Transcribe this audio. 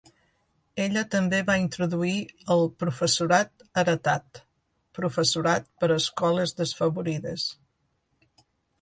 Ella també va introduir el "professorat heretat", professorat per a escoles desfavorides.